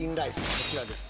こちらです